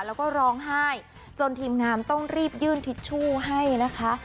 แล้วก็ร้องไห้จนทีมงานต้องรีบยื่นทิชชู่ให้นะคะ